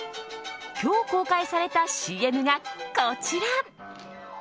今日公開されたＣＭが、こちら。